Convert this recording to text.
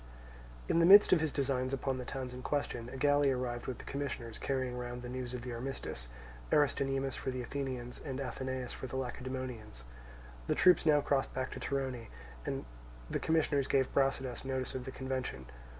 In the midst of his designs upon the towns in question, a galley arrived with the commissioners carrying round the news of the armistice, Aristonymus for the Athenians and Athenaeus for the Lacedaemonians. The troops now crossed back to Torone, and the commissioners gave Brasidas notice of the convention.